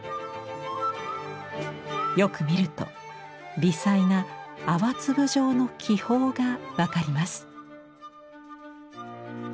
よく見ると微細な泡粒状の気泡が分かります。